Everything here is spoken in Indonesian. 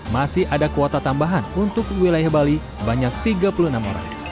masih ada kuota tambahan untuk wilayah bali sebanyak tiga puluh enam orang